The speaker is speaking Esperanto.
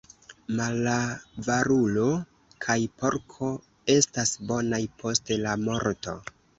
Malavarulo kaj porko estas bonaj post la morto.